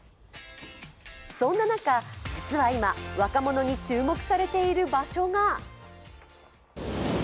そんな中、実は今若者に注目されている場所が。